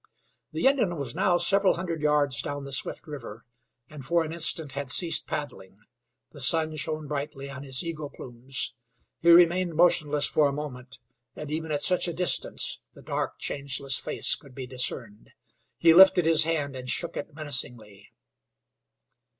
The Indian was now several hundred yards down the swift river, and for an instant had ceased paddling. The sun shone brightly on his eagle plumes. He remained motionless for a moment, and even at such a distance the dark, changeless face could be discerned. He lifted his hand and shook it menacingly.